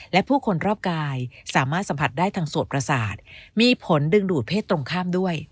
และผู้คนรอบกายสามารถสัมผัสได้ทางสวดประสาทมีผลดึงดูดเพศตรงข้ามด้วย